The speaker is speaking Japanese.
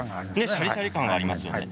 シャリシャリ感があります。